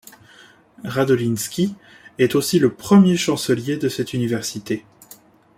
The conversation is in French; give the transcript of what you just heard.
Radoliński est aussi le premier chancelier de cette université.